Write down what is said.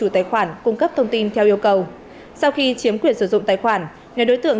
tài khoản cung cấp thông tin theo yêu cầu sau khi chiếm quyền sử dụng tài khoản nhóm đối tượng